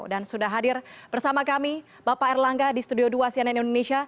dan sudah hadir bersama kami bapak erlangga di studio dua cnn indonesia